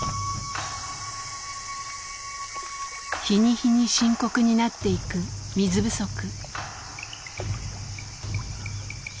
日に日に深刻になっていく水不足。